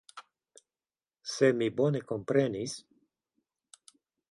Se mi bone komprenis.